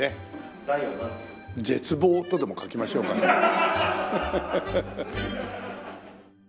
「絶望」とでも書きましょうかね。